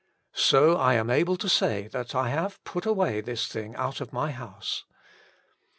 So I am able to say that I have put away this thing out of my house.